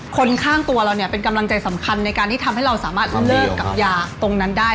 คนข้างตัวเราเนี่ยเป็นกำลังใจสำคัญในการที่ทำให้เราสามารถเลิกกับยาตรงนั้นได้